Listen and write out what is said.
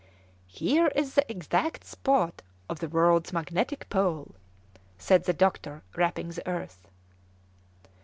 "Here is the exact spot of the world's magnetic pole," said the doctor, rapping the earth.